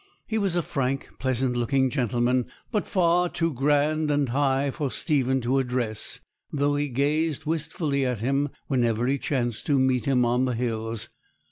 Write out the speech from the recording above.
He was a frank, pleasant looking gentleman, but far too grand and high for Stephen to address, though he gazed wistfully at him whenever he chanced to meet him on the hills.